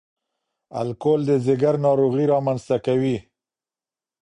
الکول د ځګر ناروغۍ رامنځ ته کوي.